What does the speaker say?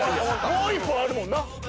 もう１本あるもんな